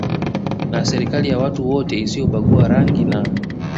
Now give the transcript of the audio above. na serikali ya watu wote isiyobagua rangi na